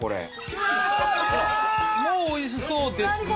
もうおいしそうですね。